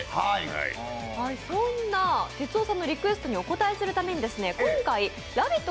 そんな哲夫さんのリクエストにお応えするために、今回、「ラヴィット！」